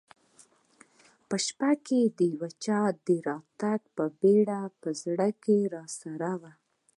په شپه کې د یو چا د راتګ بېره په زړه کې راسره وه.